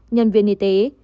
nhân viên y tế